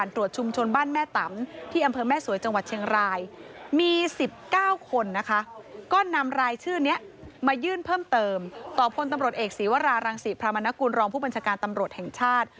ตำรวจต่อพลตำรวจเอกศีวรารังศรีพระมนกุลรองผู้บัญชาการตำรวจแห่งชาติ